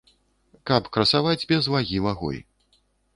Каб красаваць без вагі вагой.